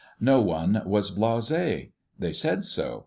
No one was blasé. They said so.